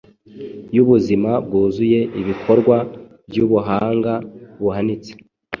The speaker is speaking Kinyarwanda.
y’ubuzima bwuzuye ibikorwa by’ubuhanga buhanitse,